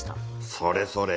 それそれ。